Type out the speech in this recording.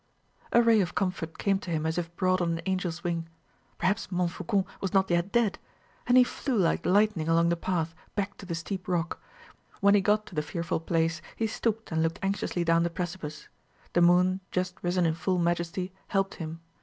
A ray of comfort came to him as if brought on an angel's wing; perhaps Montfaucon was not yet dead! and he flew like lightning along the path, back to the steep rock. When he got to the fearful place, he stooped and looked anxiously down the precipice. The moon, just risen in full majesty, helped him.